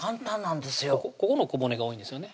ここの小骨が多いんですよね